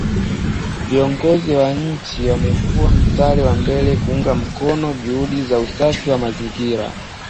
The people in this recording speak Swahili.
Viongozi wa nchi wamekuwa mstari wa mbele kuunga mkono juhudi za usafi wa mazingira